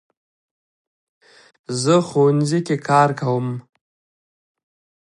زه ښوونځي کې کار کوم